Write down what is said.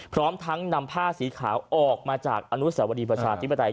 พร้อมทั้งนำผ้าสีขาวออกมาจากอนุสาวรีประชาธิปไตย